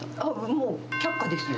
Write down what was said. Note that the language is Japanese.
もう却下ですよ。